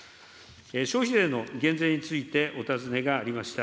消費税の減税についてお尋ねがありました。